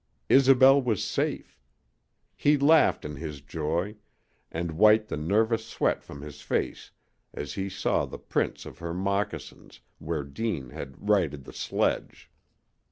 Isobel was safe! He laughed in his joy and wiped the nervous sweat from his face as he saw the prints of her moccasins where Deane had righted the sledge.